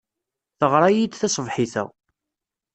Teɣra-iyi-d taṣebḥit-a.